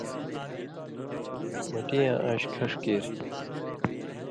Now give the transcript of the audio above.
مٹی یاں ان٘ڇھہۡ کھݜ کیریۡ